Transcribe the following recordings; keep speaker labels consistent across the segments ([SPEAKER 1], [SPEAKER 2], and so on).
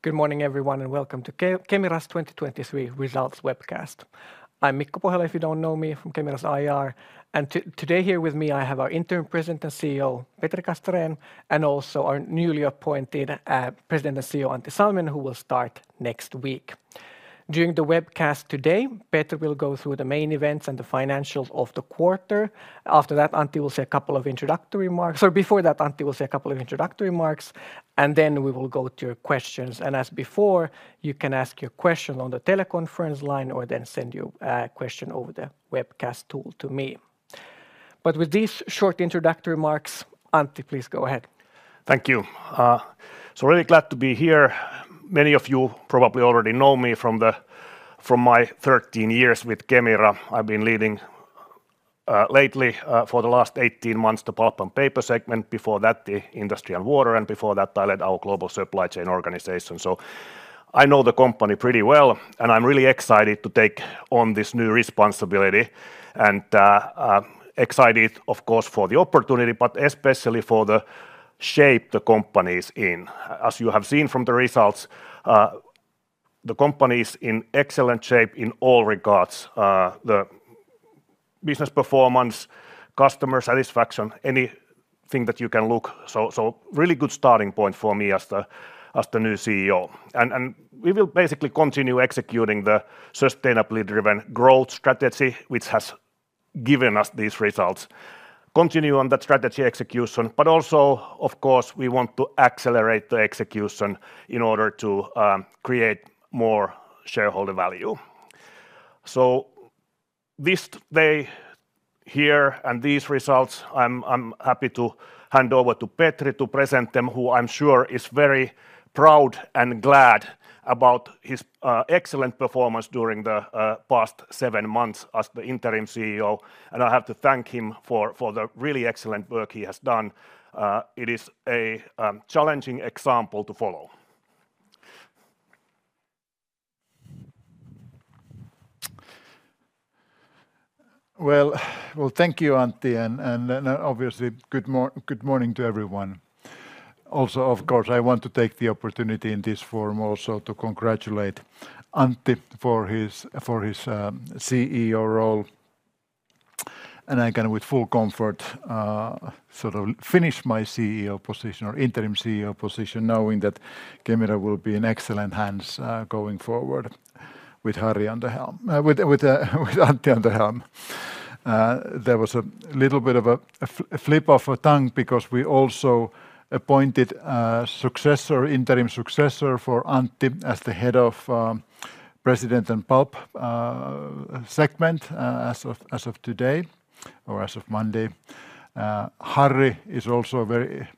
[SPEAKER 1] Good morning everyone and welcome to Kemira's 2023 Results webcast. I'm Mikko Pohjala, if you don't know me, from Kemira's IR. Today here with me I have our Interim President and CEO Petri Castrén and also our newly appointed President and CEO Antti Salminen, who will start next week. During the webcast today, Petri will go through the main events and the financials of the quarter. After that, Antti will say a couple of introductory remarks. Sorry, before that, Antti will say a couple of introductory remarks, and then we will go to your questions. As before, you can ask your question on the teleconference line or then send your question over the webcast tool to me. With these short introductory remarks, Antti, please go ahead.
[SPEAKER 2] Thank you. So really glad to be here. Many of you probably already know me from my 13 years with Kemira. I've been leading lately, for the last 18 months, the Pulp & Paper segment. Before that, the Industry & Water. And before that, I led our global supply chain organization. So I know the company pretty well. And I'm really excited to take on this new responsibility. And excited, of course, for the opportunity, but especially for the shape the company is in. As you have seen from the results, the company is in excellent shape in all regards: the business performance, customer satisfaction, anything that you can look. So really good starting point for me as the new CEO. And we will basically continue executing the sustainably driven growth strategy, which has given us these results. Continue on that strategy execution. But also, of course, we want to accelerate the execution in order to create more shareholder value. So this day here and these results, I'm happy to hand over to Petri to present them, who I'm sure is very proud and glad about his excellent performance during the past seven months as the Interim CEO. And I have to thank him for the really excellent work he has done. It is a challenging example to follow.
[SPEAKER 3] Well, thank you, Antti. And obviously, good morning to everyone. Also, of course, I want to take the opportunity in this form also to congratulate Antti for his CEO role. And I can, with full comfort, sort of finish my CEO position or interim CEO position, knowing that Kemira will be in excellent hands going forward with Harri on the helm, with Antti on the helm. There was a little bit of a slip of a tongue because we also appointed a successor, interim successor for Antti as the head of president and pulp segment as of today or as of Monday. Harri is also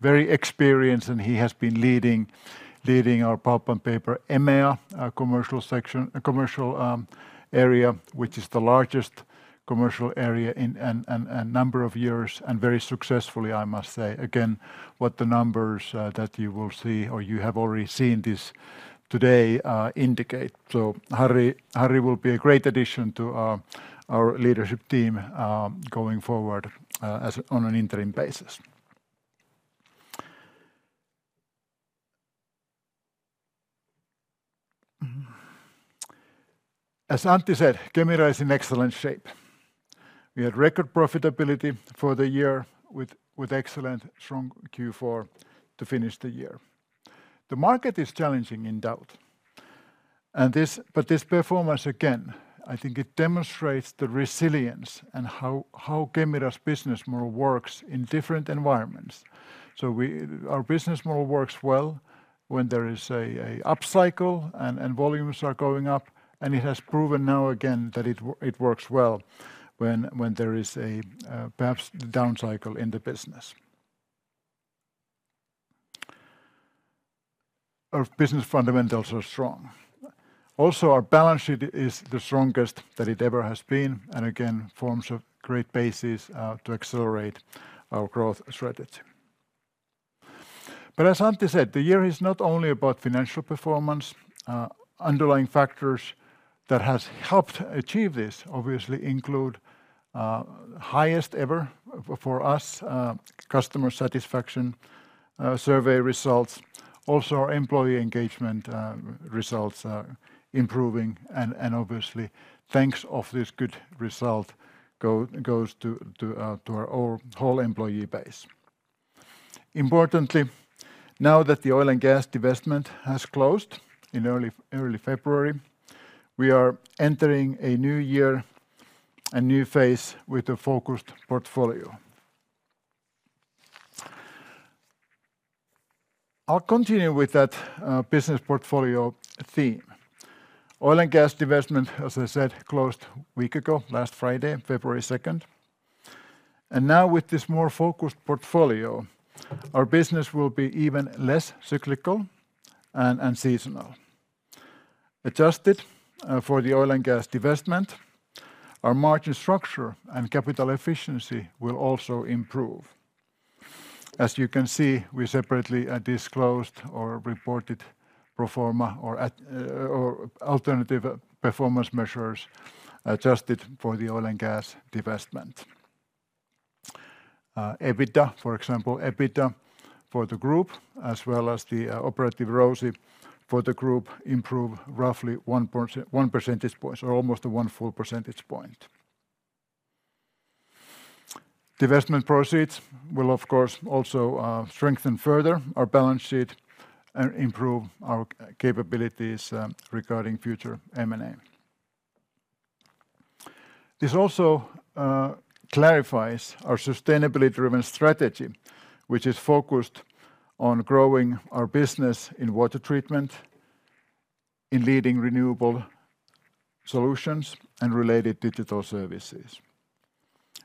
[SPEAKER 3] very experienced, and he has been leading our Pulp & Paper EMEA commercial section, commercial area, which is the largest commercial area in a number of years. Very successfully, I must say, again, what the numbers that you will see or you have already seen this today indicate. Harri will be a great addition to our leadership team going forward on an interim basis. As Antti said, Kemira is in excellent shape. We had record profitability for the year with excellent, strong Q4 to finish the year. The market is challenging, in doubt. This performance, again, I think it demonstrates the resilience and how Kemira's business model works in different environments. Our business model works well when there is an upcycle and volumes are going up. It has proven now again that it works well when there is perhaps a downcycle in the business. Our business fundamentals are strong. Also, our balance sheet is the strongest that it ever has been. Again, forms a great basis to accelerate our growth strategy. But as Antti said, the year is not only about financial performance. Underlying factors that have helped achieve this, obviously, include highest ever for us customer satisfaction survey results. Also, our employee engagement results improving. And obviously, thanks to this good result, goes to our whole employee base. Importantly, now that the Oil & Gas investment has closed in early February, we are entering a new year, a new phase with a focused portfolio. I'll continue with that business portfolio theme. Oil & Gas investment, as I said, closed a week ago, last Friday, February 2nd. And now, with this more focused portfolio, our business will be even less cyclical and seasonal. Adjusted for the Oil & Gas investment, our margin structure and capital efficiency will also improve. As you can see, we separately disclosed or reported pro forma or alternative performance measures adjusted for the Oil & Gas investment. EBITDA, for example, EBITDA for the group, as well as the Operative ROCE for the group, improved roughly 1 percentage point or almost 1 full percentage point. Investment proceeds will, of course, also strengthen further our balance sheet and improve our capabilities regarding future M&A. This also clarifies our sustainability-driven strategy, which is focused on growing our business in water treatment, in leading renewable solutions, and related digital services.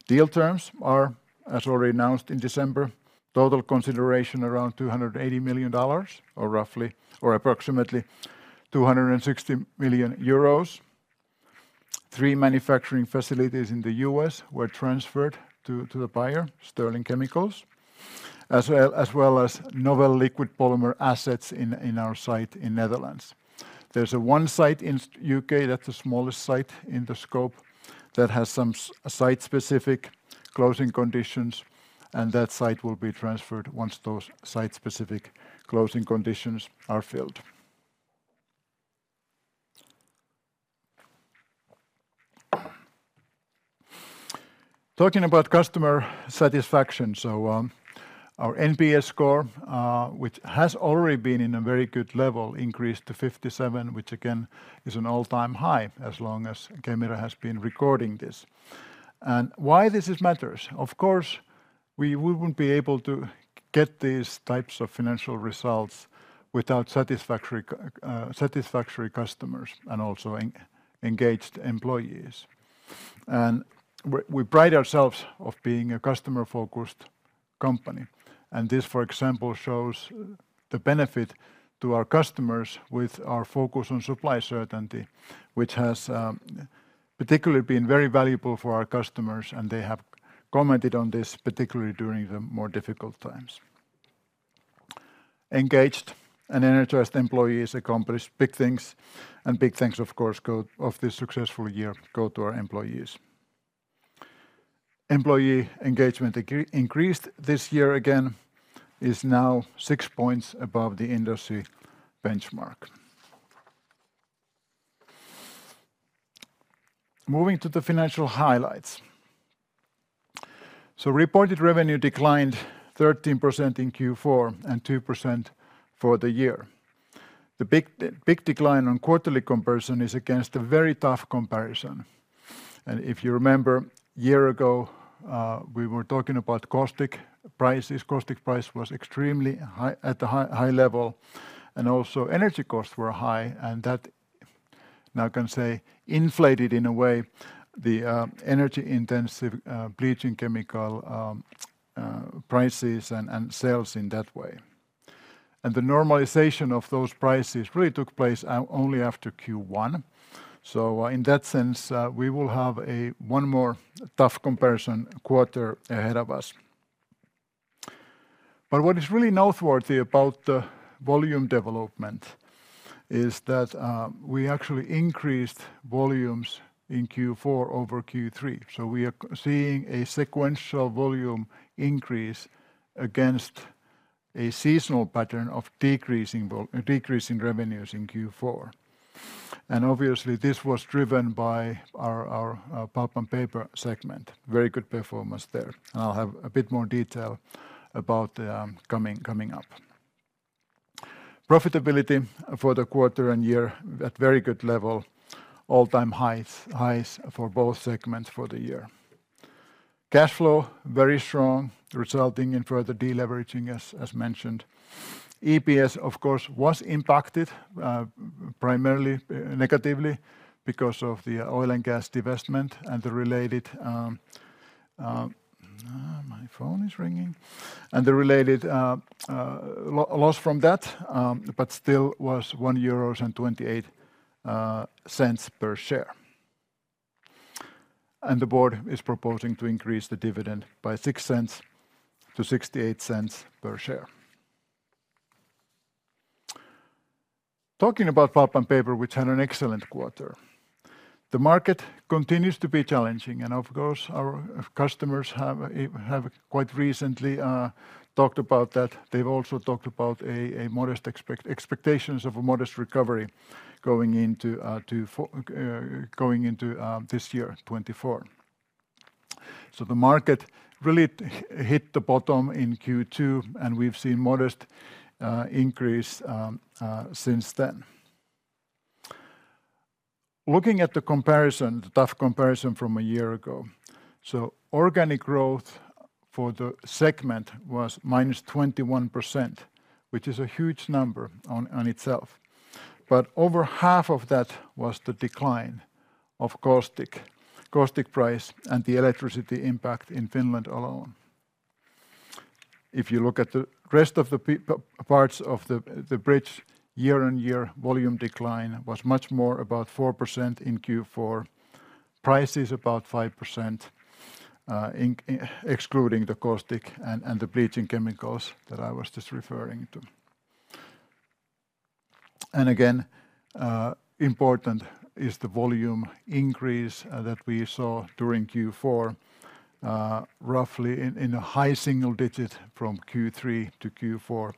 [SPEAKER 3] Deal terms are, as already announced in December, total consideration around $280 million or roughly or approximately 260 million euros. 3 manufacturing facilities in the U.S. were transferred to the buyer, Sterling Specialty Chemicals, as well as novel liquid polymer assets in our site in the Netherlands. There's 1 site in the U.K. that's the smallest site in the scope that has some site-specific closing conditions. That site will be transferred once those site-specific closing conditions are filled. Talking about customer satisfaction, so our NPS score, which has already been in a very good level, increased to 57, which again is an all-time high as long as Kemira has been recording this. Why this matters? Of course, we wouldn't be able to get these types of financial results without satisfactory customers and also engaged employees. We pride ourselves on being a customer-focused company. This, for example, shows the benefit to our customers with our focus on supply certainty, which has particularly been very valuable for our customers. They have commented on this particularly during the more difficult times. Engaged and energized employees accomplish big things. Big thanks, of course, of this successful year go to our employees. Employee engagement increased this year again. It's now six points above the industry benchmark. Moving to the financial highlights. So reported revenue declined 13% in Q4 and 2% for the year. The big decline on quarterly comparison is against a very tough comparison. And if you remember, a year ago, we were talking about caustic prices. Caustic price was extremely high at a high level. And also, energy costs were high. And that now can say inflated, in a way, the energy-intensive bleaching chemical prices and sales in that way. And the normalization of those prices really took place only after Q1. So in that sense, we will have one more tough comparison quarter ahead of us. But what is really noteworthy about the volume development is that we actually increased volumes in Q4 over Q3. So we are seeing a sequential volume increase against a seasonal pattern of decreasing revenues in Q4. And obviously, this was driven by our Pulp & Paper segment. Very good performance there. I'll have a bit more detail about coming up. Profitability for the quarter and year at very good level. All-time highs for both segments for the year. Cash flow very strong, resulting in further deleveraging, as mentioned. EPS, of course, was impacted primarily negatively because of the Oil & Gas investment and the related... My phone is ringing. And the related loss from that, but still, was €1.28 per share. The board is proposing to increase the dividend by 0.06 to 0.68 per share. Talking about Pulp & Paper, which had an excellent quarter. The market continues to be challenging. Of course, our customers have quite recently talked about that. They've also talked about expectations of a modest recovery going into this year, 2024. The market really hit the bottom in Q2. We've seen a modest increase since then. Looking at the comparison, the tough comparison from a year ago. So organic growth for the segment was -21%, which is a huge number on itself. But over half of that was the decline of caustic price and the electricity impact in Finland alone. If you look at the rest of the parts of the bridge, year-on-year volume decline was much more, about 4% in Q4. Prices about 5%, excluding the caustic and the bleaching chemicals that I was just referring to. And again, important is the volume increase that we saw during Q4, roughly in a high single-digit from Q3 to Q4.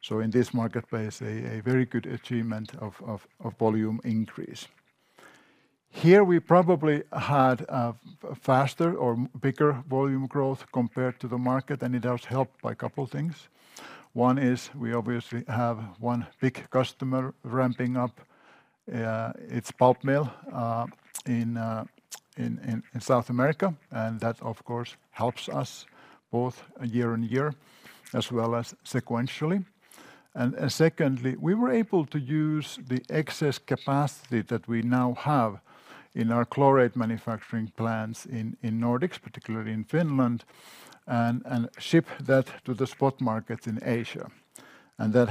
[SPEAKER 3] So in this marketplace, a very good achievement of volume increase. Here, we probably had faster or bigger volume growth compared to the market. And it was helped by a couple of things. One is we obviously have one big customer ramping up. It's pulp mill in South America. And that, of course, helps us both year-on-year, as well as sequentially. And secondly, we were able to use the excess capacity that we now have in our chlorate manufacturing plants in Nordics, particularly in Finland, and ship that to the spot markets in Asia. And that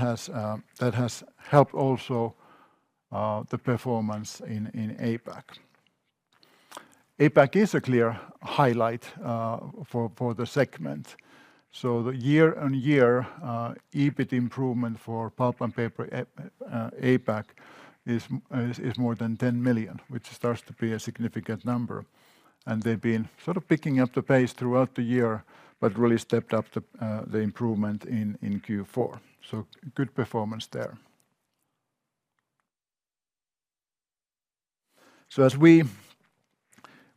[SPEAKER 3] has helped also the performance in APAC. APAC is a clear highlight for the segment. So the year-on-year EBIT improvement for Pulp & Paper APAC is more than 10 million, which starts to be a significant number. And they've been sort of picking up the pace throughout the year, but really stepped up the improvement in Q4. So good performance there. So as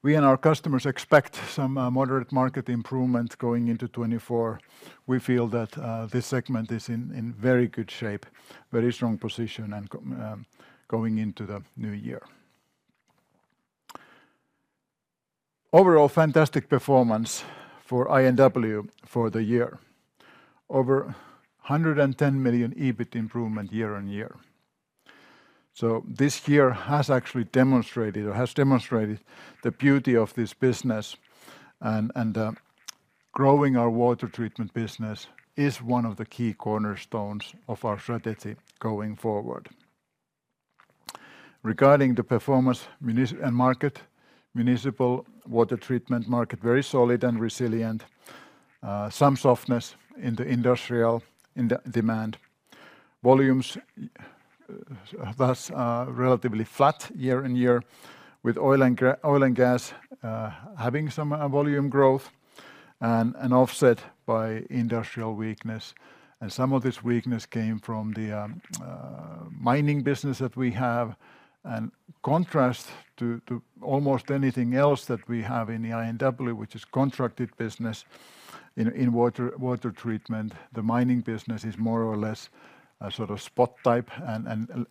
[SPEAKER 3] we and our customers expect some moderate market improvement going into 2024, we feel that this segment is in very good shape, very strong position, and going into the new year. Overall, fantastic performance for INW for the year. Over 110 million EBIT improvement year-on-year. So this year has actually demonstrated or has demonstrated the beauty of this business. And growing our water treatment business is one of the key cornerstones of our strategy going forward. Regarding the performance and market, municipal water treatment market very solid and resilient. Some softness in the industrial demand. Volumes thus relatively flat year-on-year, with Oil & Gas having some volume growth and offset by industrial weakness. And some of this weakness came from the mining business that we have. In contrast to almost anything else that we have in the INW, which is contracted business in water treatment, the mining business is more or less a sort of spot type and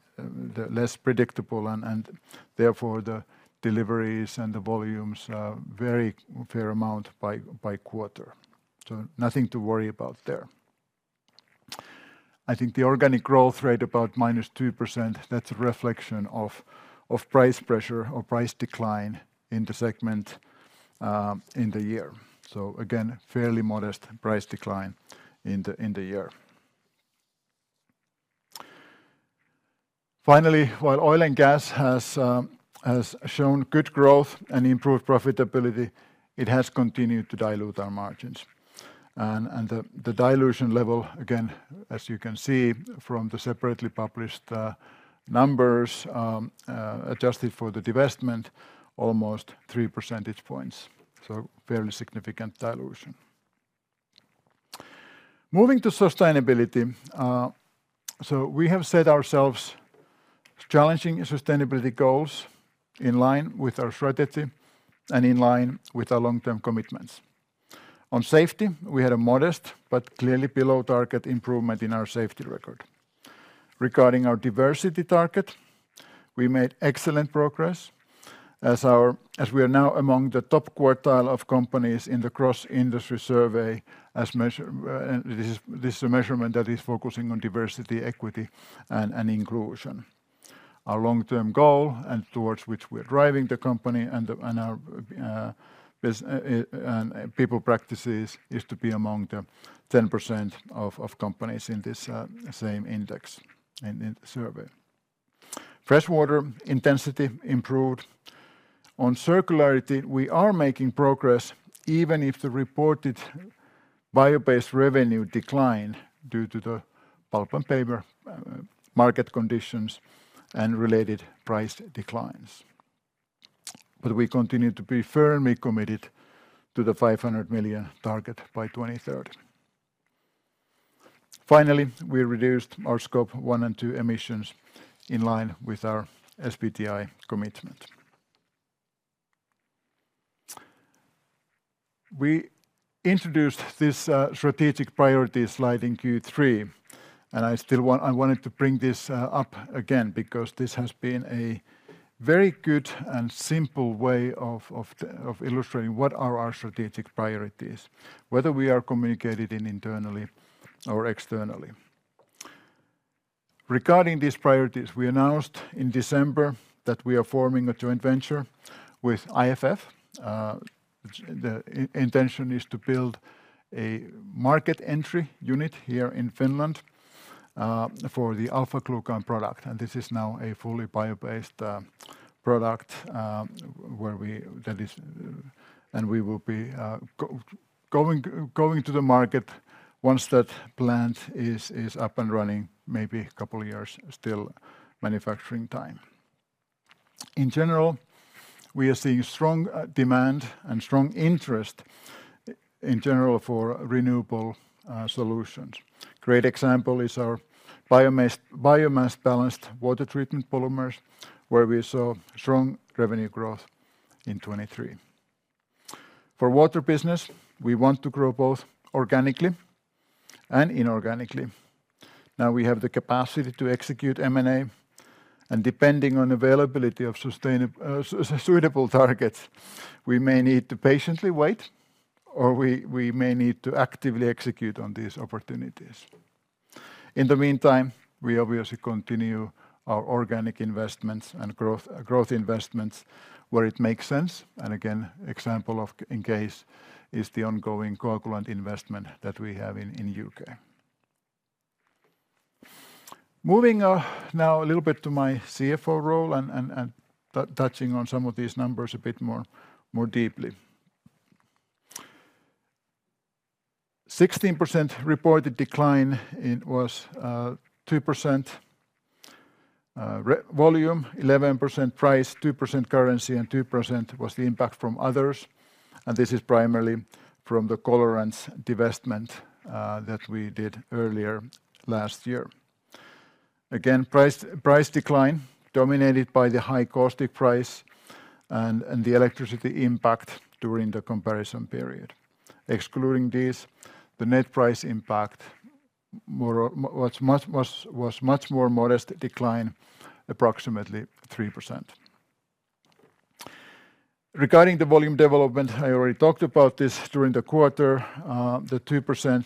[SPEAKER 3] less predictable. And therefore, the deliveries and the volumes vary a fair amount by quarter. So nothing to worry about there. I think the organic growth rate about -2%, that's a reflection of price pressure or price decline in the segment in the year. So again, fairly modest price decline in the year. Finally, while Oil & Gas has shown good growth and improved profitability, it has continued to dilute our margins. And the dilution level, again, as you can see from the separately published numbers adjusted for the divestment, almost three percentage points. So fairly significant dilution. Moving to sustainability. So we have set ourselves challenging sustainability goals in line with our strategy and in line with our long-term commitments. On safety, we had a modest but clearly below target improvement in our safety record. Regarding our diversity target, we made excellent progress as we are now among the top quartile of companies in the cross-industry survey. This is a measurement that is focusing on diversity, equity, and inclusion. Our long-term goal and towards which we are driving the company and our people practices is to be among the 10% of companies in this same index in the survey. Freshwater intensity improved. On circularity, we are making progress even if the reported bio-based revenue declined due to the Pulp & Paper market conditions and related price declines. But we continue to be firmly committed to the 500 million target by 2030. Finally, we reduced our Scope 1 and 2 emissions in line with our SBTi commitment. We introduced this strategic priority slide in Q3. I still wanted to bring this up again because this has been a very good and simple way of illustrating what are our strategic priorities, whether we are communicating internally or externally. Regarding these priorities, we announced in December that we are forming a joint venture with IFF. The intention is to build a market entry unit here in Finland for the alpha glucan product. And this is now a fully bio-based product, and we will be going to the market once that plant is up and running, maybe a couple of years still manufacturing time. In general, we are seeing strong demand and strong interest in general for renewable solutions. A great example is our biomass-balanced water treatment polymers, where we saw strong revenue growth in 2023. For water business, we want to grow both organically and inorganically. Now we have the capacity to execute M&A. Depending on availability of suitable targets, we may need to patiently wait or we may need to actively execute on these opportunities. In the meantime, we obviously continue our organic investments and growth investments where it makes sense. And again, an example in case is the ongoing coagulant investment that we have in the U.K. Moving now a little bit to my CFO role and touching on some of these numbers a bit more deeply. 16% reported decline was 2% volume, 11% price, 2% currency, and 2% was the impact from others. And this is primarily from the chlor-alkali divestment that we did earlier last year. Again, price decline dominated by the high caustic price and the electricity impact during the comparison period. Excluding these, the net price impact was much more modest decline, approximately 3%. Regarding the volume development, I already talked about this during the quarter. The 2%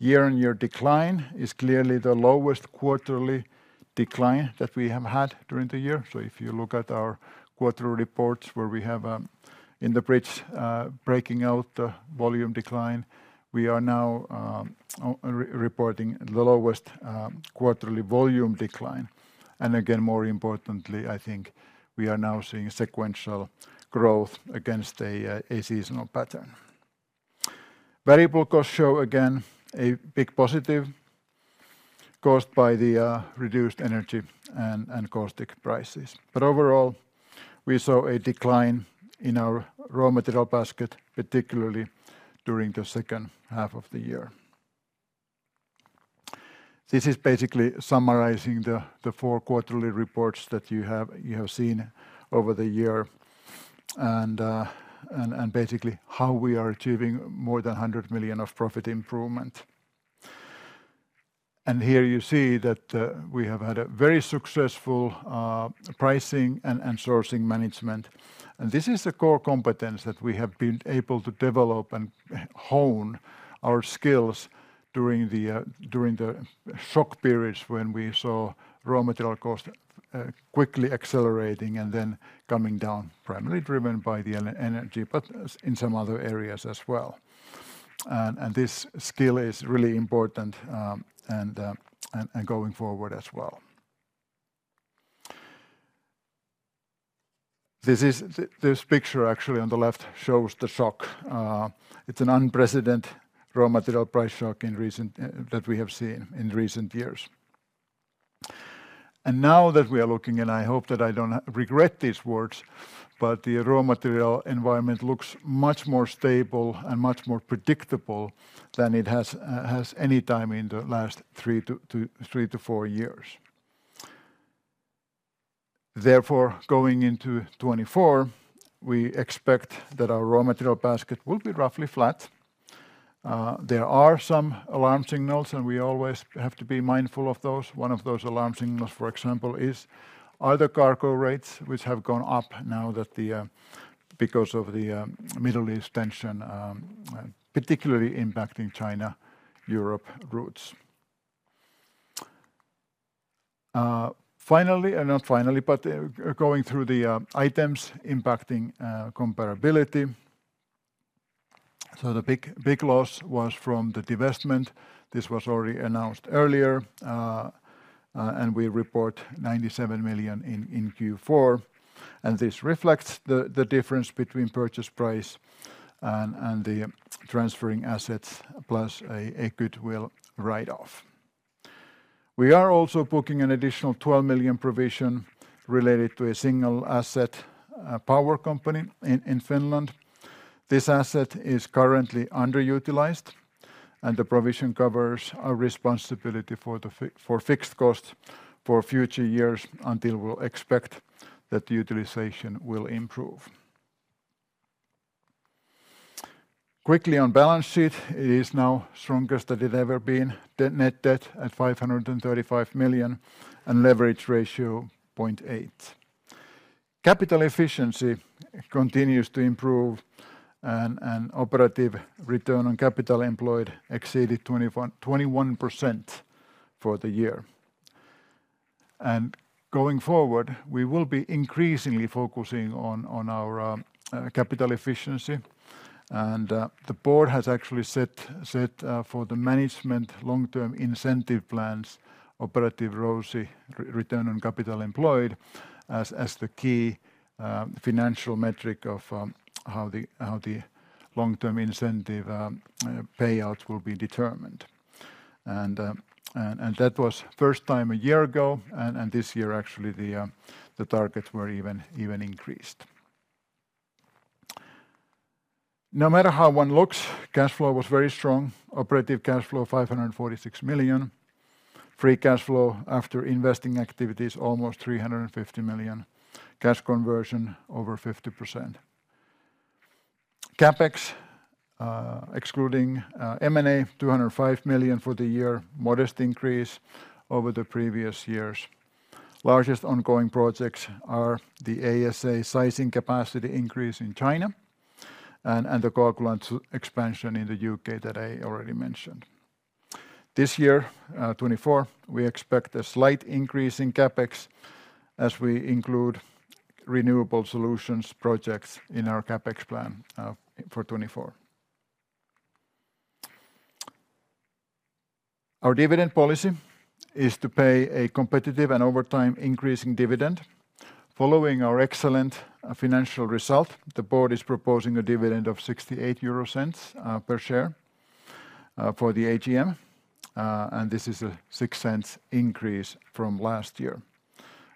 [SPEAKER 3] year-on-year decline is clearly the lowest quarterly decline that we have had during the year. So if you look at our quarterly reports where we have in the bridge breaking out the volume decline, we are now reporting the lowest quarterly volume decline. And again, more importantly, I think we are now seeing sequential growth against a seasonal pattern. Variable costs show again a big positive caused by the reduced energy and caustic prices. But overall, we saw a decline in our raw material basket, particularly during the second half of the year. This is basically summarizing the four quarterly reports that you have seen over the year and basically how we are achieving more than 100 million of profit improvement. And here you see that we have had a very successful pricing and sourcing management. And this is the core competence that we have been able to develop and hone our skills during the shock periods when we saw raw material costs quickly accelerating and then coming down, primarily driven by the energy, but in some other areas as well. And this skill is really important and going forward as well. This picture actually on the left shows the shock. It's an unprecedented raw material price shock that we have seen in recent years. Now that we are looking, and I hope that I don't regret these words, but the raw material environment looks much more stable and much more predictable than it has any time in the last 3-4 years. Therefore, going into 2024, we expect that our raw material basket will be roughly flat. There are some alarm signals, and we always have to be mindful of those. One of those alarm signals, for example, is other cargo rates, which have gone up now that the... because of the Middle East tension, particularly impacting China-Europe routes. Finally... and not finally, but going through the items impacting comparability. The big loss was from the divestment. This was already announced earlier. And we report 97 million in Q4. And this reflects the difference between purchase price and the transferring assets plus a goodwill write-off. We are also booking an additional 12 million provision related to a single-asset power company in Finland. This asset is currently underutilized. The provision covers our responsibility for fixed costs for future years until we expect that utilization will improve. Quickly on balance sheet, it is now strongest that it has ever been, net debt at 535 million and leverage ratio 0.8. Capital efficiency continues to improve. Operative return on capital employed exceeded 21% for the year. Going forward, we will be increasingly focusing on our capital efficiency. The board has actually set for the management long-term incentive plans operative ROCE return on capital employed as the key financial metric of how the long-term incentive payouts will be determined. That was the first time a year ago. This year, actually, the targets were even increased. No matter how one looks, cash flow was very strong. Operative cash flow 546 million. Free cash flow after investing activities almost 350 million. Cash conversion over 50%. CapEx excluding M&A 205 million for the year, modest increase over the previous years. Largest ongoing projects are the ASA sizing capacity increase in China and the coagulant expansion in the UK that I already mentioned. This year, 2024, we expect a slight increase in CapEx as we include renewable solutions projects in our CapEx plan for 2024. Our dividend policy is to pay a competitive and over time increasing dividend. Following our excellent financial result, the board is proposing a dividend of 0.68 per share for the AGM. This is a 0.06 increase from last year.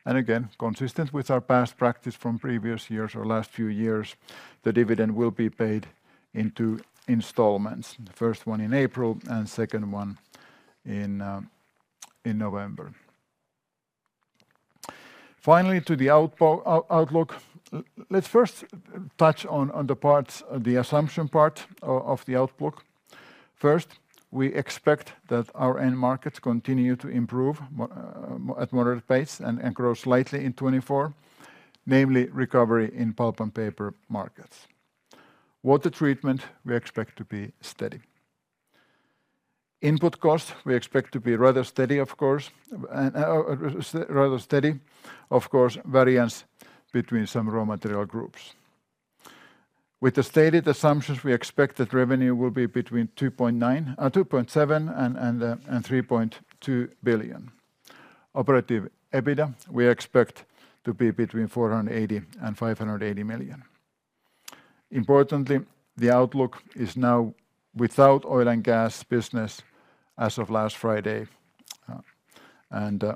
[SPEAKER 3] Again, consistent with our past practice from previous years or last few years, the dividend will be paid in two installments, first one in April and second one in November. Finally, to the outlook, let's first touch on the parts, the assumption part of the outlook. First, we expect that our end markets continue to improve at moderate pace and grow slightly in 2024, namely recovery in Pulp & Paper markets. Water treatment, we expect to be steady. Input costs, we expect to be rather steady, of course, and rather steady, of course, variance between some raw material groups. With the stated assumptions, we expect that revenue will be between 2.7 billion and 3.2 billion. Operative EBITDA, we expect to be between 480 million and 580 million. Importantly, the outlook is now without Oil & Gas business as of last Friday.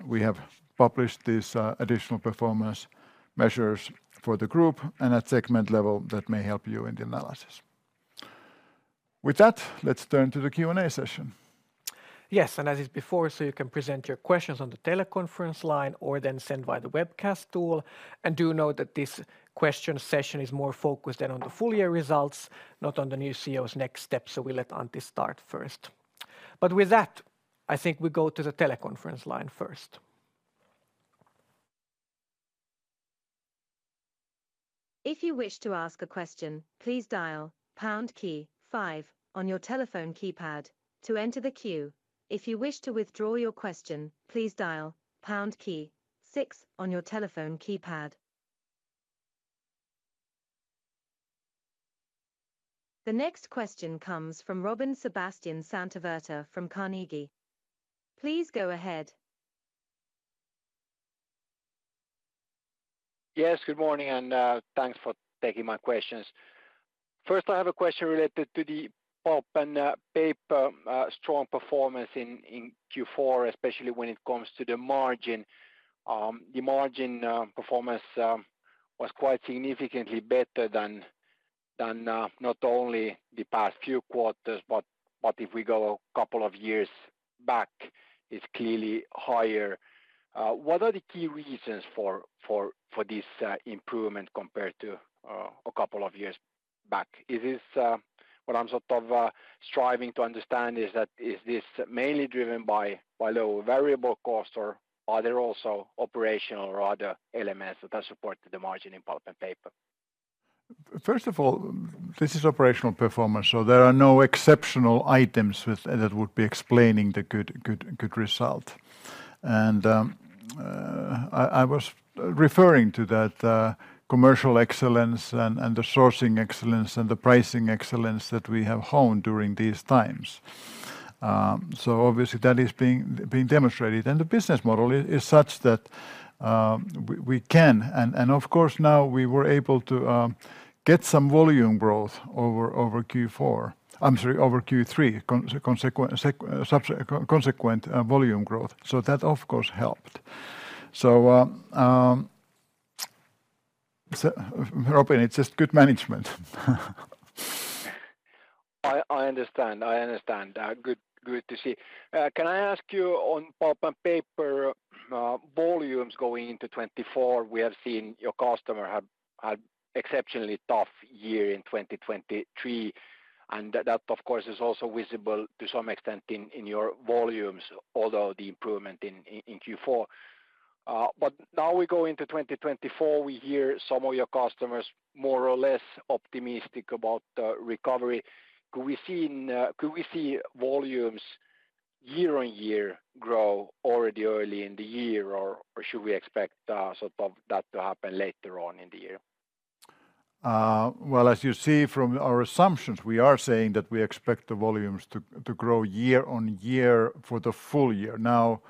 [SPEAKER 3] We have published these additional performance measures for the group and at segment level that may help you in the analysis. With that, let's turn to the Q&A session. Yes, and as before, so you can present your questions on the teleconference line or then send via the webcast tool. And do note that this question session is more focused than on the full year results, not on the new CEO's next steps. We let Antti start first. With that, I think we go to the teleconference line first.
[SPEAKER 4] If you wish to ask a question, please dial pound key five on your telephone keypad to enter the queue. If you wish to withdraw your question, please dial pound key six on your telephone keypad. The next question comes from Robin Santavirta from Carnegie. Please go ahead.
[SPEAKER 5] Yes, good morning. Thanks for taking my questions. First, I have a question related to the Pulp & Paper strong performance in Q4, especially when it comes to the margin. The margin performance was quite significantly better than not only the past few quarters, but if we go a couple of years back, it's clearly higher. What are the key reasons for this improvement compared to a couple of years back? Is this... what I'm sort of striving to understand is that is this mainly driven by low variable costs or are there also operational or other elements that have supported the margin in Pulp & Paper? First of all, this is operational performance. There are no exceptional items that would be explaining the good result. I was referring to that commercial excellence and the sourcing excellence and the pricing excellence that we have honed during these times.
[SPEAKER 3] So obviously, that is being demonstrated. And the business model is such that we can... and of course, now we were able to get some volume growth over Q4... I'm sorry, over Q3, consequent volume growth. So that, of course, helped. So... Robin, it's just good management.
[SPEAKER 5] I understand. I understand. Good to see. Can I ask you on Pulp & Paper volumes going into 2024? We have seen your customer have had an exceptionally tough year in 2023. And that, of course, is also visible to some extent in your volumes, although the improvement in Q4. But now we go into 2024, we hear some of your customers more or less optimistic about the recovery. Could we see... could we see volumes year-on-year grow already early in the year or should we expect sort of that to happen later on in the year?
[SPEAKER 3] Well, as you see from our assumptions, we are saying that we expect the volumes to grow year-on-year for the full year. Now,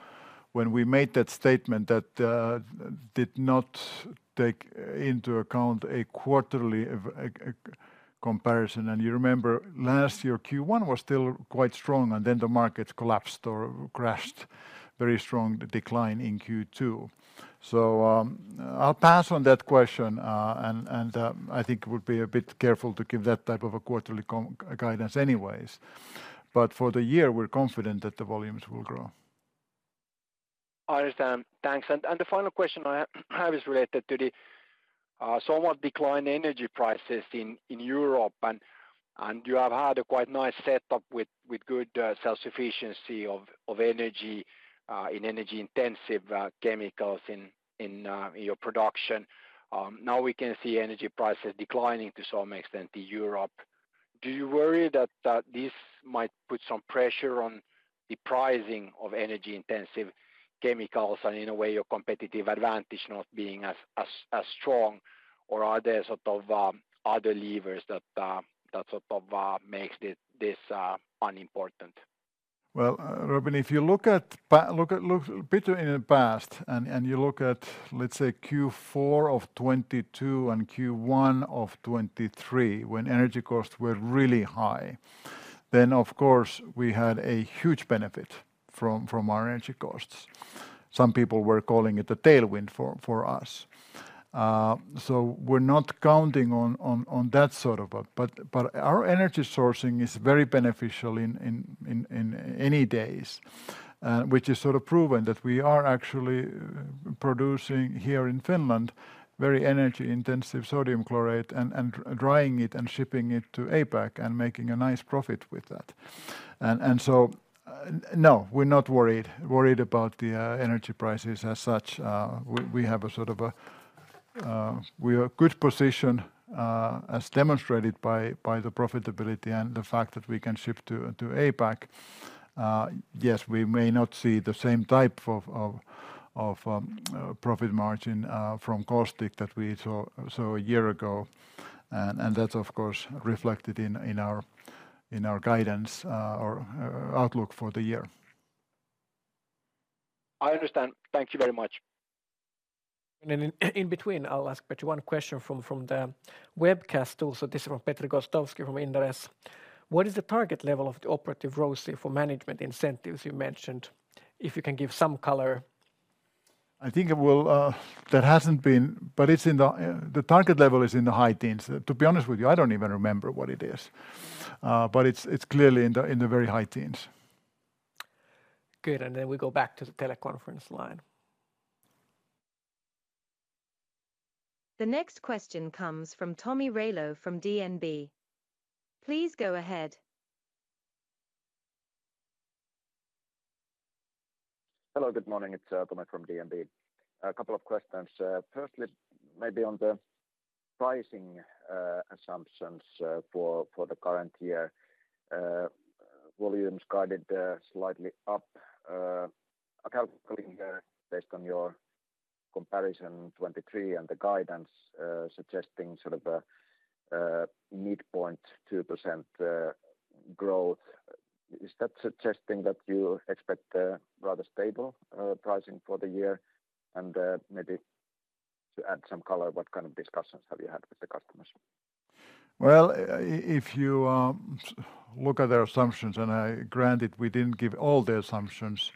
[SPEAKER 3] when we made that statement, that did not take into account a quarterly comparison. And you remember last year, Q1 was still quite strong and then the markets collapsed or crashed. Very strong decline in Q2. So I'll pass on that question. And I think it would be a bit careful to give that type of a quarterly guidance anyways. But for the year, we're confident that the volumes will grow.
[SPEAKER 5] I understand. Thanks. And the final question I have is related to the somewhat declined energy prices in Europe. And you have had a quite nice setup with good self-sufficiency of energy in energy-intensive chemicals in your production. Now we can see energy prices declining to some extent in Europe. Do you worry that this might put some pressure on the pricing of energy-intensive chemicals and in a way your competitive advantage not being as strong or are there sort of other levers that sort of make this unimportant?
[SPEAKER 3] Well, Robin, if you look at a bit in the past and you look at, let's say, Q4 of 2022 and Q1 of 2023 when energy costs were really high, then of course we had a huge benefit from our energy costs. Some people were calling it the tailwind for us. So we're not counting on that sort of but our energy sourcing is very beneficial in any case, which is sort of proven that we are actually producing here in Finland very energy-intensive sodium chloride and drying it and shipping it to APAC and making a nice profit with that. And so no, we're not worried. worried about the energy prices as such. We have a sort of a... we are in a good position as demonstrated by the profitability and the fact that we can ship to APAC. Yes, we may not see the same type of profit margin from caustic that we saw a year ago. And that's, of course, reflected in our guidance or outlook for the year.
[SPEAKER 5] I understand. Thank you very much.
[SPEAKER 1] And in between, I'll ask Petri one question from the webcast too. So this is from Petri Gostowski from Inderes. What is the target level of the Operative ROCE for management incentives you mentioned? If you can give some color.
[SPEAKER 3] I think it will... that hasn't been... but it's in the... the target level is in the high teens. To be honest with you, I don't even remember what it is. But it's clearly in the very high teens.
[SPEAKER 1] Good. And then we go back to the teleconference line.
[SPEAKER 4] The next question comes from Tomi Railo from DNB. Please go ahead.
[SPEAKER 6] Hello, good morning. It's Tomi from DNB. A couple of questions. Firstly, maybe on the pricing assumptions for the current year. Volumes guided slightly up. I'm calculating based on your comparison 2023 and the guidance suggesting sort of a midpoint 2% growth. Is that suggesting that you expect rather stable pricing for the year? And maybe to add some color, what kind of discussions have you had with the customers?
[SPEAKER 3] Well, if you look at their assumptions and I grant it, we didn't give all the assumptions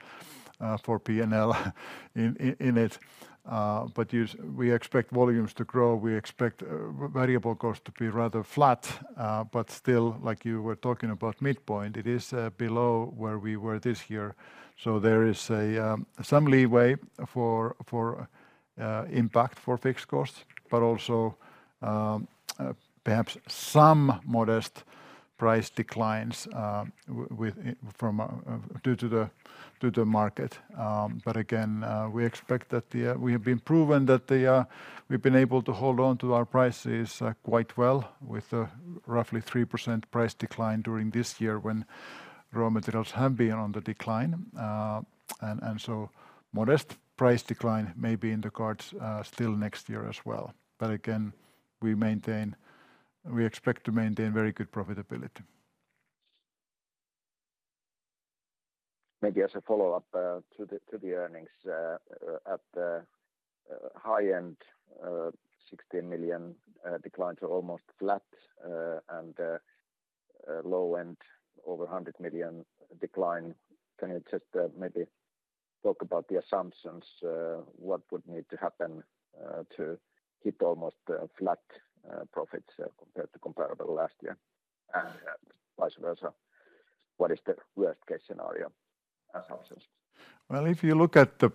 [SPEAKER 3] for P&L in it. But we expect volumes to grow. We expect variable costs to be rather flat. But still, like you were talking about midpoint, it is below where we were this year. So there is some leeway for impact for fixed costs, but also perhaps some modest price declines due to the market. But again, we expect that the... we have been proven that we've been able to hold on to our prices quite well with roughly 3% price decline during this year when raw materials have been on the decline. And so modest price decline may be in the cards still next year as well. But again, we maintain... we expect to maintain very good profitability.
[SPEAKER 6] Maybe as a follow-up to the earnings, at the high-end 16 million decline to almost flat and low-end over 100 million decline, can you just maybe talk about the assumptions? What would need to happen to hit almost flat profits compared to comparable last year and vice versa? What is the worst-case scenario assumptions?
[SPEAKER 3] Well, if you look at the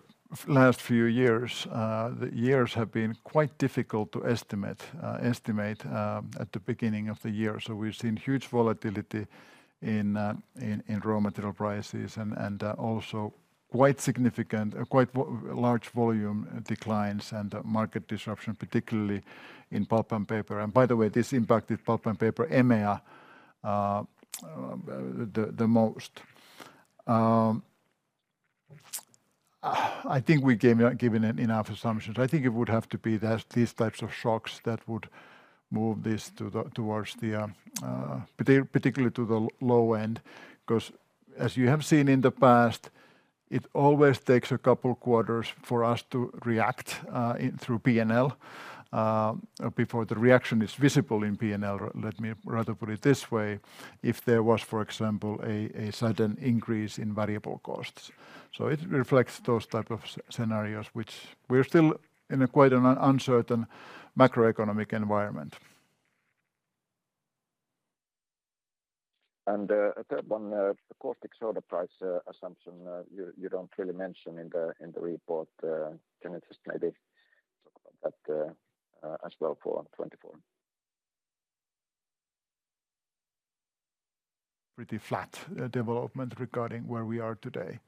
[SPEAKER 3] last few years, the years have been quite difficult to estimate at the beginning of the year. So we've seen huge volatility in raw material prices and also quite significant... quite large volume declines and market disruption, particularly in Pulp & Paper. And by the way, this impacted Pulp & Paper EMEA the most. I think we gave enough assumptions. I think it would have to be these types of shocks that would move this towards the... particularly to the low end. Because as you have seen in the past, it always takes a couple quarters for us to react through P&L. Before the reaction is visible in P&L, let me rather put it this way, if there was, for example, a sudden increase in variable costs. So it reflects those types of scenarios, which we're still in quite an uncertain macroeconomic environment.
[SPEAKER 6] And one caustic soda price assumption you don't really mention in the report. Can you just maybe talk about that as well for 2024?
[SPEAKER 3] Pretty flat development regarding where we are today.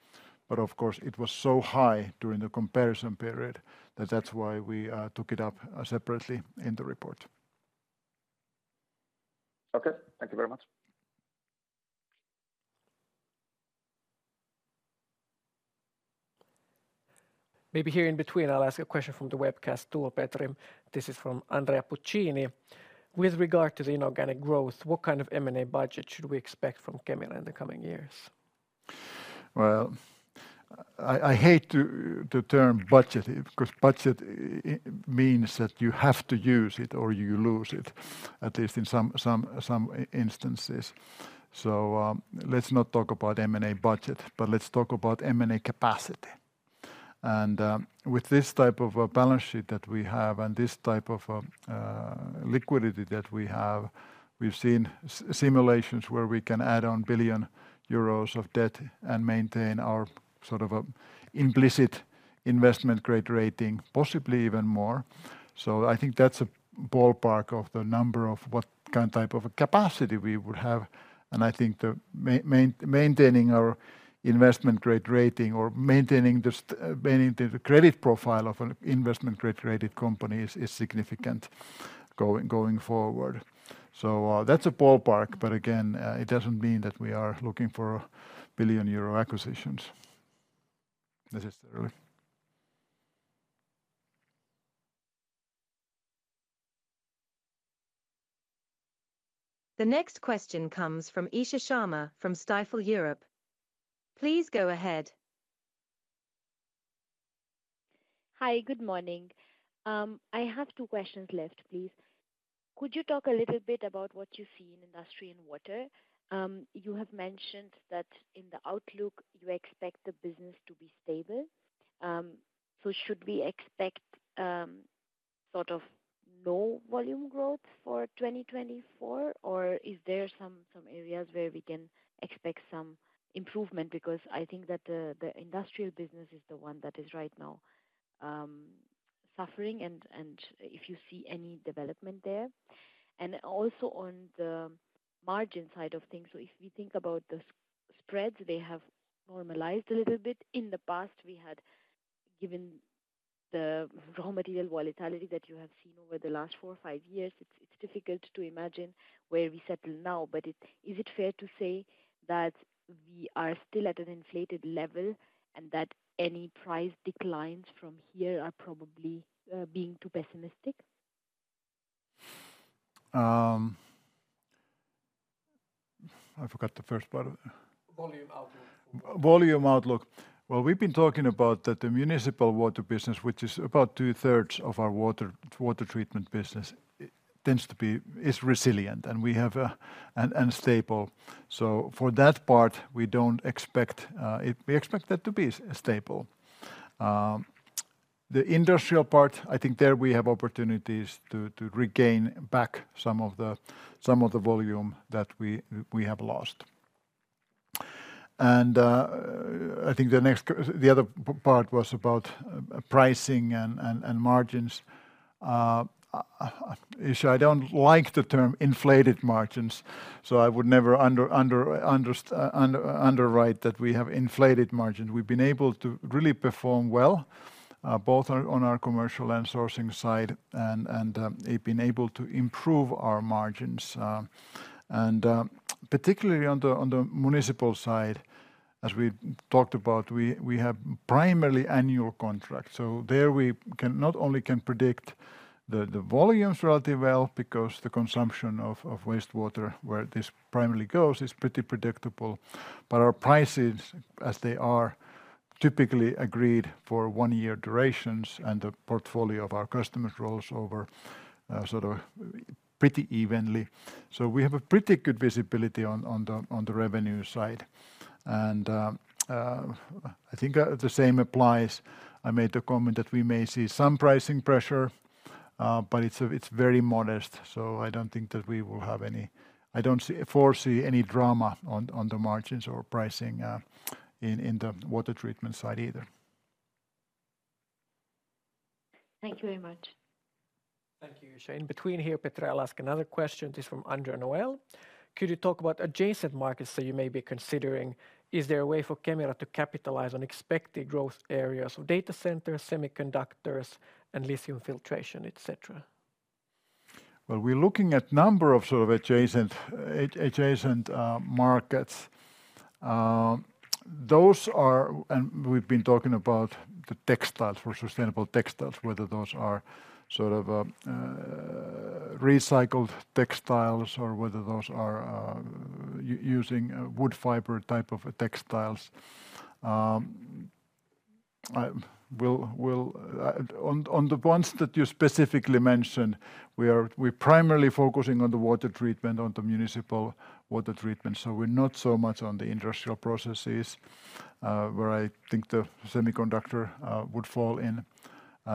[SPEAKER 3] But of course, it was so high during the comparison period that that's why we took it up separately in the report.
[SPEAKER 6] Okay. Thank you very much.
[SPEAKER 1] Maybe here in between, I'll ask a question from the webcast too, Petri. This is from Andrea Puccini. With regard to the inorganic growth, what kind of M&A budget should we expect from Kemira in the coming years?
[SPEAKER 3] Well... I hate the term budget because budget means that you have to use it or you lose it, at least in some instances. So let's not talk about M&A budget, but let's talk about M&A capacity. With this type of balance sheet that we have and this type of liquidity that we have, we've seen simulations where we can add on 1 billion euros of debt and maintain our sort of implicit investment grade rating, possibly even more. So I think that's a ballpark of the number of what kind of type of capacity we would have. And I think maintaining our investment grade rating or maintaining the credit profile of an investment grade rated company is significant going forward. So that's a ballpark, but again, it doesn't mean that we are looking for 1 billion euro acquisitions necessarily.
[SPEAKER 4] The next question comes from Isha Sharma from Stifel Europe. Please go ahead.
[SPEAKER 3] Hi, good morning. I have two questions left, please. Could you talk a little bit about what you see in Industry & Water?
[SPEAKER 7] You have mentioned that in the outlook, you expect the business to be stable. So should we expect sort of no volume growth for 2024 or is there some areas where we can expect some improvement? Because I think that the industrial business is the one that is right now suffering and if you see any development there. And also on the margin side of things, so if we think about the spreads, they have normalized a little bit. In the past, we had given the raw material volatility that you have seen over the last four or five years, it's difficult to imagine where we settle now. But is it fair to say that we are still at an inflated level and that any price declines from here are probably being too pessimistic?
[SPEAKER 3] I forgot the first part of that.
[SPEAKER 2] Volume outlook for water.
[SPEAKER 3] Volume outlook. Well, we've been talking about the municipal water business, which is about two-thirds of our water treatment business, tends to be resilient and stable. So for that part, we expect that to be stable. The industrial part, I think there we have opportunities to regain back some of the volume that we have lost. And I think the other part was about pricing and margins. Isha, I don't like the term inflated margins. So I would never underwrite that we have inflated margins. We've been able to really perform well, both on our commercial and sourcing side, and we've been able to improve our margins. And particularly on the municipal side, as we talked about, we have primarily annual contracts. So there we can not only predict the volumes relatively well because the consumption of wastewater where this primarily goes is pretty predictable, but our prices, as they are, typically agreed for one-year durations and the portfolio of our customers rolls over sort of pretty evenly. So we have a pretty good visibility on the revenue side. And I think the same applies. I made the comment that we may see some pricing pressure, but it's very modest. So I don't think that we will have any... I don't foresee any drama on the margins or pricing in the water treatment side either.
[SPEAKER 7] Thank you very much.
[SPEAKER 1] Thank you, Isha. In between here, Petri, I'll ask another question. This is from Andrea Noel. Could you talk about adjacent markets that you may be considering? Is there a way for Kemira to capitalize on expected growth areas of data centers, semiconductors, and lithium filtration, etc.?
[SPEAKER 3] Well, we're looking at a number of sort of adjacent markets. Those are... and we've been talking about the textiles for sustainable textiles, whether those are sort of recycled textiles or whether those are using wood fiber type of textiles. On the ones that you specifically mentioned, we are primarily focusing on the water treatment, on the municipal water treatment. So we're not so much on the industrial processes where I think the semiconductor would fall in.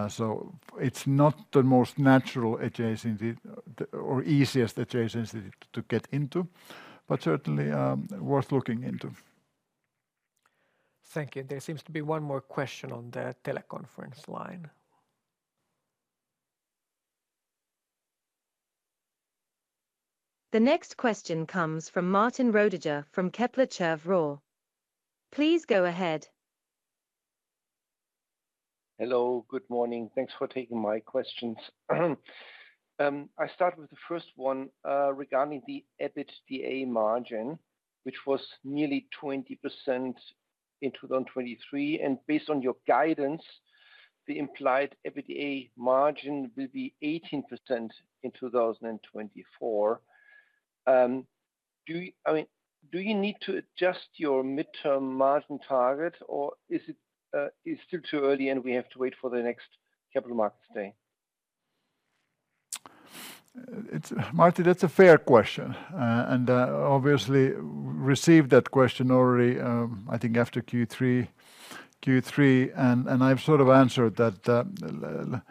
[SPEAKER 3] So it's not the most natural adjacency or easiest adjacency to get into, but certainly worth looking into.
[SPEAKER 1] Thank you. There seems to be one more question on the teleconference line.
[SPEAKER 4] The next question comes from Martin Roediger from Kepler Cheuvreux. Please go ahead.
[SPEAKER 8] Hello, good morning. Thanks for taking my questions. I start with the first one regarding the EBITDA margin, which was nearly 20% in 2023. Based on your guidance, the implied EBITDA margin will be 18% in 2024. Do you... I mean, do you need to adjust your midterm margin target or is it still too early and we have to wait for the next capital markets day?
[SPEAKER 3] Martin, that's a fair question. Obviously, received that question already, I think after Q3. Q3. I've sort of answered that.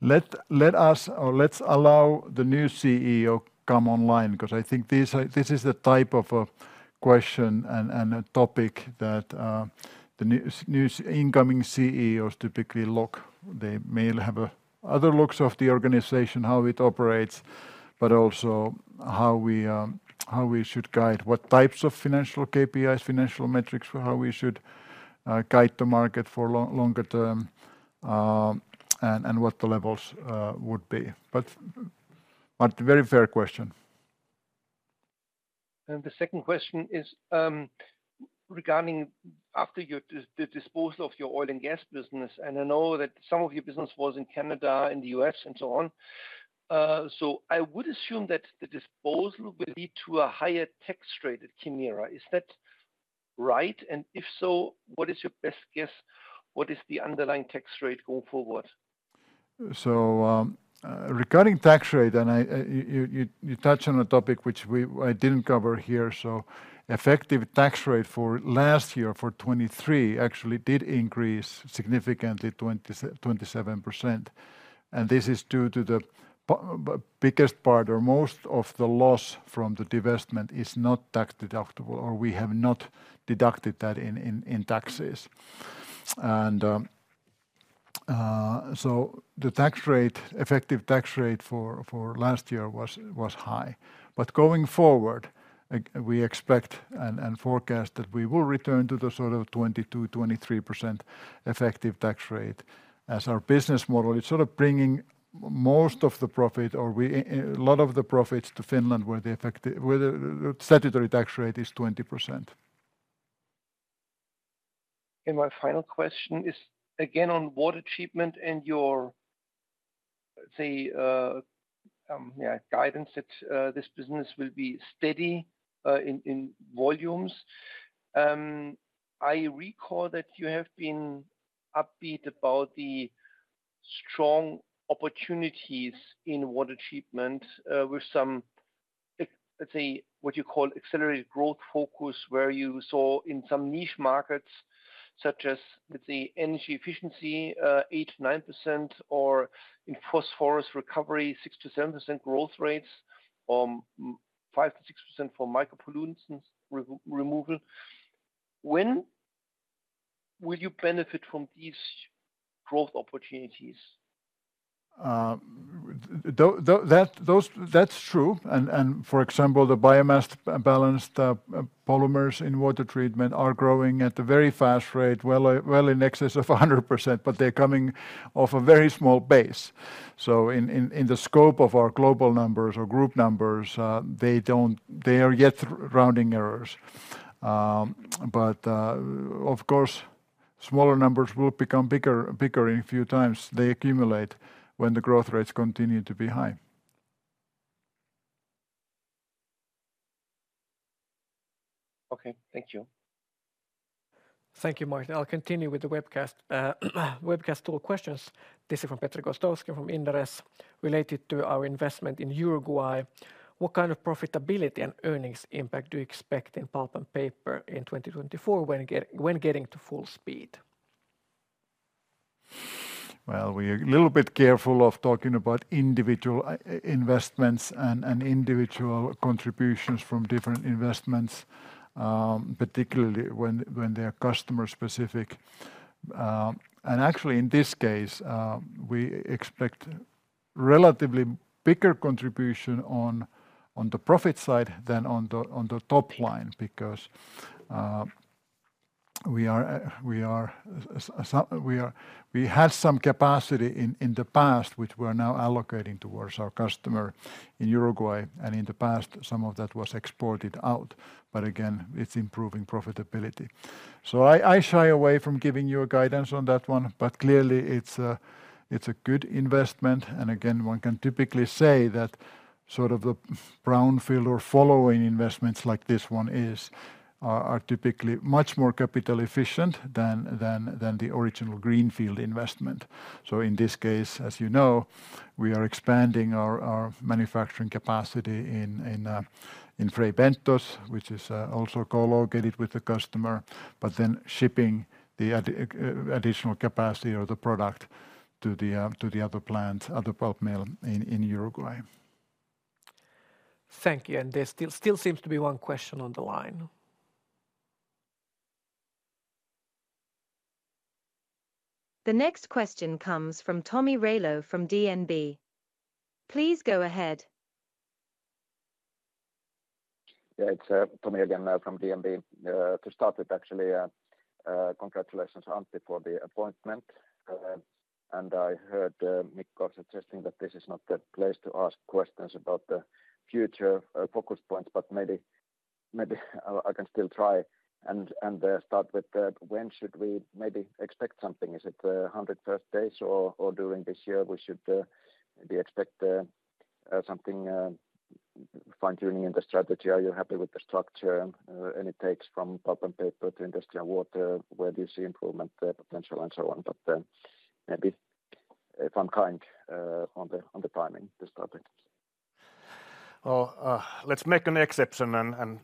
[SPEAKER 3] Let us... or let's allow the new CEO come online because I think this is the type of question and topic that the new incoming CEOs typically look. They may have other looks of the organization, how it operates, but also how we should guide, what types of financial KPIs, financial metrics, how we should guide the market for longer term and what the levels would be. But Martin, very fair question.
[SPEAKER 8] And the second question is regarding after the disposal of your Oil & Gas business. And I know that some of your business was in Canada, in the U.S., and so on. So I would assume that the disposal will lead to a higher tax rate at Kemira. Is that right? And if so, what is your best guess? What is the underlying tax rate going forward?
[SPEAKER 3] So regarding tax rate, and you touched on a topic which I didn't cover here. So effective tax rate for last year for 2023 actually did increase significantly, 27%. This is due to the biggest part or most of the loss from the divestment is not tax deductible or we have not deducted that in taxes. So the tax rate, effective tax rate for last year was high. But going forward, we expect and forecast that we will return to the sort of 22%-23% effective tax rate as our business model. It's sort of bringing most of the profit or a lot of the profits to Finland where the statutory tax rate is 20%.
[SPEAKER 8] My final question is again on water treatment and your, say, guidance that this business will be steady in volumes. I recall that you have been upbeat about the strong opportunities in water treatment with some, let's say, what you call accelerated growth focus where you saw in some niche markets such as, let's say, energy efficiency 8%-9% or in phosphorus recovery 6%-7% growth rates or 5%-6% for micropollutants removal. When will you benefit from these growth opportunities?
[SPEAKER 3] That's true. And for example, the biomass balanced polymers in water treatment are growing at a very fast rate, well in excess of 100%, but they're coming off a very small base. So in the scope of our global numbers or group numbers, they don't... they are yet rounding errors. But of course, smaller numbers will become bigger in a few times. They accumulate when the growth rates continue to be high.
[SPEAKER 8] Okay. Thank you.
[SPEAKER 1] Thank you, Martin. I'll continue with the webcast tool questions. This is from Petri Gostowski from Inderes related to our investment in Uruguay. What kind of profitability and earnings impact do you expect in Pulp & Paper in 2024 when getting to full speed?
[SPEAKER 3] Well, we are a little bit careful of talking about individual investments and individual contributions from different investments, particularly when they are customer specific. And actually, in this case, we expect relatively bigger contribution on the profit side than on the top line because we are... we had some capacity in the past which we are now allocating towards our customer in Uruguay. And in the past, some of that was exported out. But again, it's improving profitability. So I shy away from giving you a guidance on that one, but clearly it's a good investment. And again, one can typically say that sort of the brownfield or following investments like this one are typically much more capital efficient than the original greenfield investment. So in this case, as you know, we are expanding our manufacturing capacity in Fray Bentos, which is also co-located with the customer, but then shipping the additional capacity or the product to the other plants, other pulp mill in Uruguay.
[SPEAKER 1] Thank you. And there still seems to be one question on the line.
[SPEAKER 4] The next question comes from Tomi Railo from DNB. Please go ahead.
[SPEAKER 6] Yeah, it's Tommy again from DNB. To start with, actually, congratulations, Antti, for the appointment. And I heard Mikko suggesting that this is not the place to ask questions about the future focus points, but maybe I can still try and start with when should we maybe expect something? Is it the first 100 days or during this year we should maybe expect something fine-tuning in the strategy? Are you happy with the structure and it takes from Pulp & Paper to industrial water? Where do you see improvement potential and so on? But maybe if I'm kind on the timing to start with.
[SPEAKER 3] Well, let's make an exception and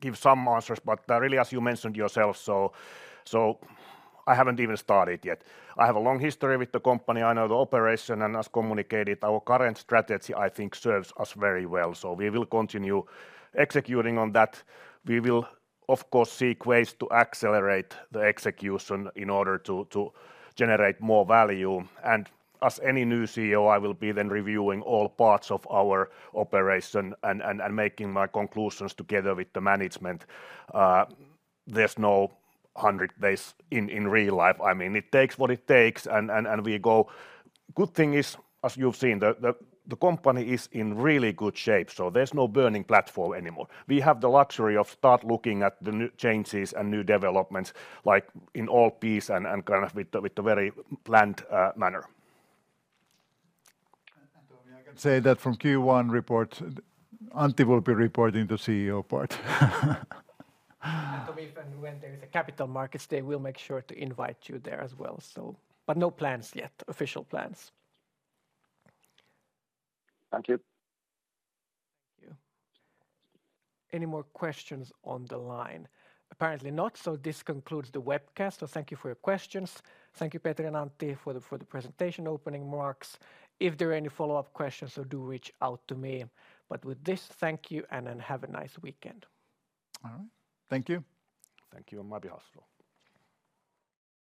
[SPEAKER 3] give some answers, but really, as you mentioned yourself, so I haven't even started yet. I have a long history with the company. I know the operation and as communicated, our current strategy, I think, serves us very well. So we will continue executing on that. We will, of course, seek ways to accelerate the execution in order to generate more value. And as any new CEO, I will be then reviewing all parts of our operation and making my conclusions together with the management. There's no 100 days in real life. I mean, it takes what it takes and we go. Good thing is, as you've seen, the company is in really good shape. So there's no burning platform anymore. We have the luxury of start looking at the changes and new developments like in all peace and kind of with a very planned manner. And Tomi, I can say that from Q1 report, Antti will be reporting the CEO part.
[SPEAKER 2] And Tomi, if and when there is a capital markets day, we'll make sure to invite you there as well. But no plans yet, official plans.
[SPEAKER 6] Thank you.
[SPEAKER 1] Thank you. Any more questions on the line? Apparently not. So this concludes the webcast. So thank you for your questions. Thank you, Petri and Antti, for the presentation opening remarks. If there are any follow-up questions, so do reach out to me. With this, thank you and have a nice weekend.
[SPEAKER 3] All right. Thank you.
[SPEAKER 2] Thank you.